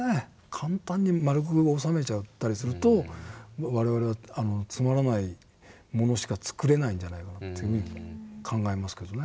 簡単に丸く収めちゃったりすると我々はつまらないものしかつくれないんじゃないかなって考えますけどね。